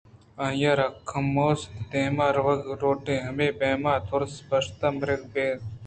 آئی ءَ را کموپشت ءُدیمءَ روگ لوٹیت ءُاے بیم ءُترس ءَ پشت ءَ مرگ بہ کنت